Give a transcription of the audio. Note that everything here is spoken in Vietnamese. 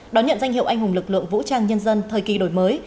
đón nhận danh hiệu anh hùng lực lượng vũ trang nhân dân thời kỳ đổi mới